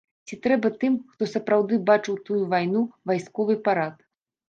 Ці трэба тым, хто сапраўды бачыў тую вайну, вайсковы парад?